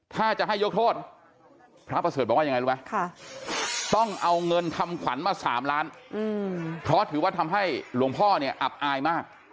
ถ้าจะให้ยกโทษพระประเสริฐบอกว่ายังไงดูไหม